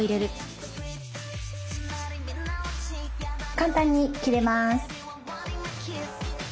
簡単に切れます。